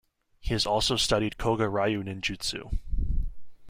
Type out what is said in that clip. He has also studied Koga Ryu Ninjutsu.